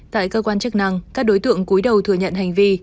tại cơ quan chức năng các đối tượng cuối đầu thừa nhận hành vi